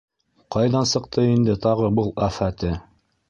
— Ҡайҙан сыҡты инде тағы был афәте.